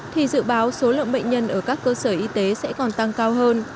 thì dự báo số lượng bệnh nhân ở các cơ sở y tế sẽ còn tăng cao hơn